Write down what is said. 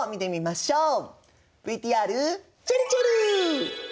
ＶＴＲちぇるちぇる！